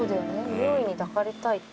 匂いに抱かれたいって」